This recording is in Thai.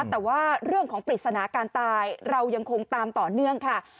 แต่ว่าเรื่องของปริศนาการตายเรายังคงตามต่อเนื่องค่ะ